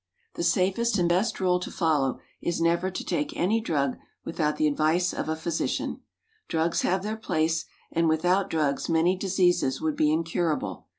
= The safest and best rule to follow is never to take any drug without the advice of a physician. Drugs have their place, and without drugs many diseases would be incurable.